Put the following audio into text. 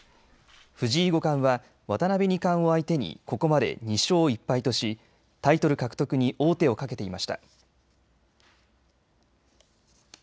藤井五冠は渡辺二冠を相手にここまで２勝１敗としタイトル獲得に王手をかけていました。